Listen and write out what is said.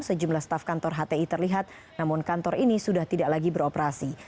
sejumlah staf kantor hti terlihat namun kantor ini sudah tidak lagi beroperasi